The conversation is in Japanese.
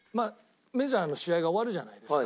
メジャーの試合が終わるじゃないですか。